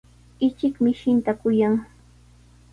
Ichik mishinta kuyan.